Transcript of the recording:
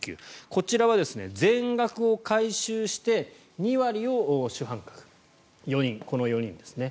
こちらは全額を回収して２割を主犯格この４人ですね。